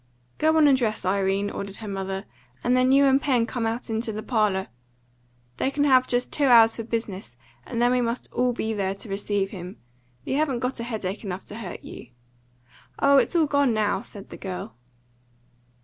"Go on and dress, Irene," ordered her mother, "and then you and Pen come out into the parlour. They can have just two hours for business, and then we must all be there to receive him. You haven't got headache enough to hurt you." "Oh, it's all gone now," said the girl.